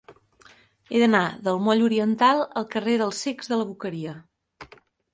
He d'anar del moll Oriental al carrer dels Cecs de la Boqueria.